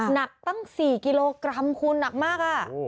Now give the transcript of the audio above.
หนักตั้ง๔กิโลกรัมคุณหนักมาก